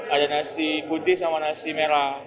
ada nasi putih sama nasi merah